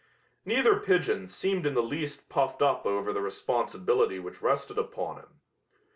Neither pigeon seemed in the least puffed up over the responsibility which rested upon him.